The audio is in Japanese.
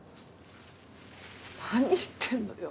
何言ってんのよ。